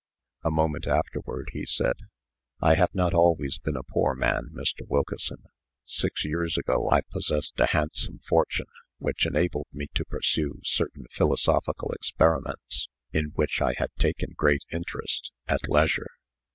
A moment afterward, he said: "I have not always been a poor man, Mr. Wilkeson. Six years ago I possessed a handsome fortune, which enabled me to pursue certain philosophical experiments, in which I had taken great interest, at leisure.